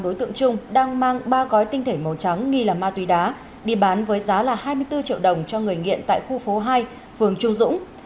đối tượng trung đang mang ba gói tinh thể màu trắng nghi là ma túy đá đi bán với giá là hai mươi bốn triệu đồng cho người nghiện tại khu phố hai phường trung dũng